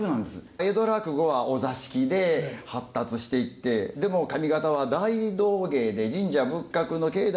江戸落語はお座敷で発達していってでも上方は大道芸で神社仏閣の境内で発達したようなものが。